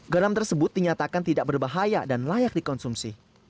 garam tersebut dinyatakan tidak berbahaya dan layak dikonsumsi